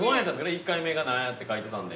１回目がなんやって書いてたんで。